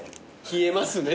「冷えますね」